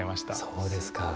そうですか。